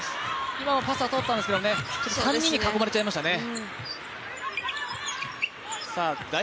今のパスは通ったんですけどね、３人に囲まれちゃいましたね。